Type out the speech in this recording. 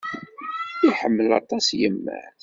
Iḥemmel aṭas yemma-s.